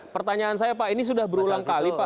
pertanyaan saya pak ini sudah berulang kali pak